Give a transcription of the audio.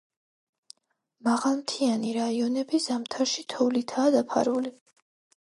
მაღალმთიანი რაიონები ზამთარში თოვლითაა დაფარული.